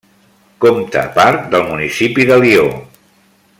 Compta part del municipi de Lió.